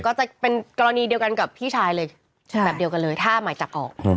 ก็จะเป็นกรณีเดียวกันกับพี่ชายเลยแบบเดียวกันเลยถ้าหมายจับออก